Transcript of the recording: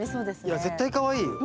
いや絶対かわいいよ。